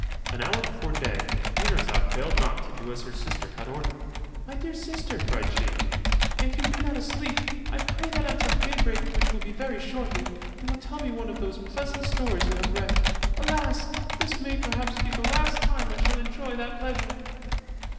An hour before day, Dinarzade failed not to do as her sister had ordered. "My dear sister," cried she, "if you be not asleep, I pray that until daybreak, which will be very shortly, you will tell me one of those pleasant stories you have read. Alas! this may perhaps be the last time that I shall enjoy that pleasure."